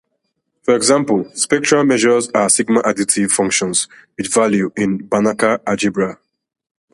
For example, spectral measures are sigma-additive functions with values in a Banach algebra.